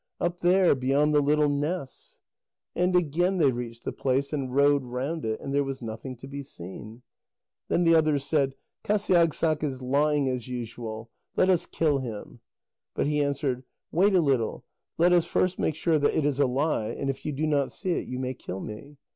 "Up there, beyond the little ness." And again they reached the place and rowed round it, and there was nothing to be seen. Then the others said: "Qasiagssaq is lying as usual. Let us kill him." But he answered: "Wait a little; let us first make sure that it is a lie, and if you do not see it, you may kill me."